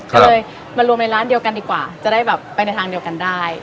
ก็เลยมารวมในร้านเดียวกันดีกว่าจะได้แบบไปในทางเดียวกันได้